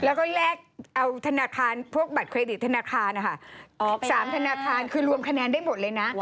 แล้วก็แลกเอาธนาคารพวกบัตรเครดิตธนาคารนะคะออก๓ธนาคารคือรวมคะแนนได้หมดเลยนะ